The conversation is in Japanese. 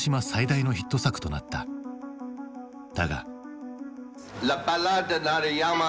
だが。